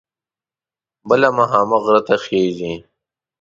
بله مخامخ غره ته خیژي.